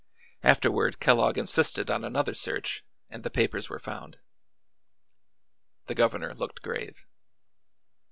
Afterward Kellogg insisted on another search, and the papers were found." The governor looked grave.